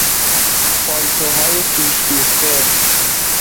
پالتوهای پیش دوخته